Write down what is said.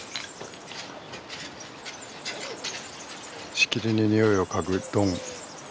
しきりに匂いを嗅ぐドン。